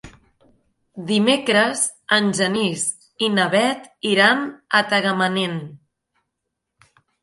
Dimecres en Genís i na Bet iran a Tagamanent.